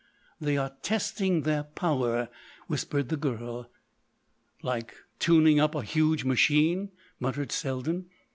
"They are testing their power," whispered the girl. "Like tuning up a huge machine?" muttered Selden.